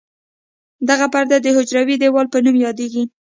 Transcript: دغه پرده د حجروي دیوال په نوم یادیږي.